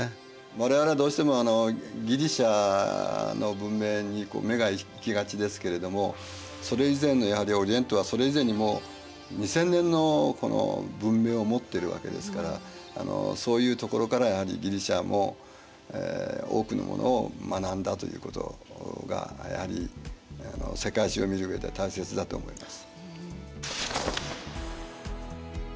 我々はどうしてもギリシアの文明に目が行きがちですけれどもそれ以前のやはりオリエントはそれ以前にもう２０００年の文明を持ってるわけですからそういうところからやはりギリシアも多くのものを学んだということがやはり世界史を見るうえでは大切だと思います。